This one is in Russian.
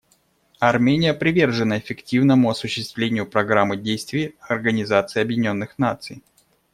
Армения привержена эффективному осуществлению Программы действий Организации Объединенных Наций.